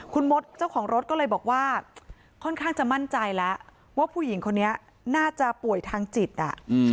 คุณมดเจ้าของรถก็เลยบอกว่าค่อนข้างจะมั่นใจแล้วว่าผู้หญิงคนนี้น่าจะป่วยทางจิตอ่ะ